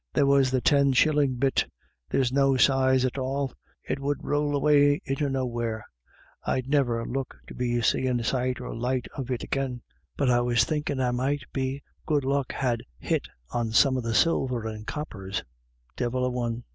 There 270 IRISH IDYLLS. was the ten shillin' bit, that's no size at all, it would rowl away into nowhere ; I'd niver look to be seem* sight or light of it agin ; but I was thinkin' I might be good luck ha' lit on some of the silver and coppers — divil a one.